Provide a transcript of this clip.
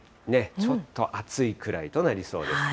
ちょっと暑いくらいとなりそうです。